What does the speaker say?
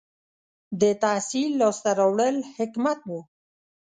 • د تحصیل لاسته راوړل حکمت و.